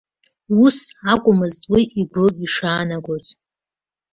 Ус акәмызт уи игәы ишаанагоз.